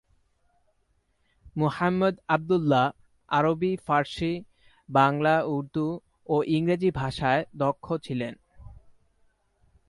মুহাম্মদ আবদুল্লাহ আরবি, ফারসি, বাংলা, উর্দু ও ইংরেজি ভাষায় দক্ষ ছিলেন।